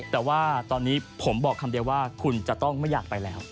แต่ว่าตอนนี้ผมบอกคำเดียวว่าคุณจะต้องไม่อยากไปแล้ว